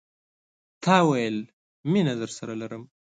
تا ویل، میینه درسره لرم